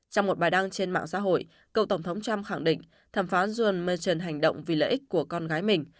trong một bài đăng trên mạng xã hội cựu tổng thống trump khẳng định thẩm phán john merchon hành động vì lợi ích của con gái mình